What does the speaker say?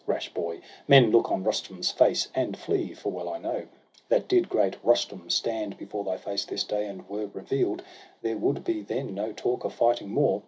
Rash boy, men look on Rustum's face and flee ! For well I know, that did great Rustum stand Before thy face this day, and were reveal'd. There would be then no talk of fighting more.